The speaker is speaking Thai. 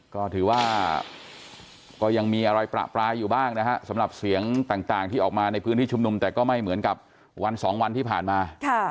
ก็ถือว่าก็ยังมีอะไรประปรายอยู่บ้างนะฮะสำหรับเสียงต่างที่ออกมาในพื้นที่ชุมนุมแต่ก็ไม่เหมือนกับวันสองวันที่ผ่านมา